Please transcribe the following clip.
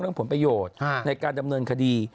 ผลประโยชน์ในการดำเนินคดี